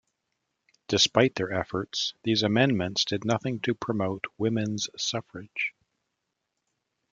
Despite their efforts, these amendments did nothing to promote women's suffrage.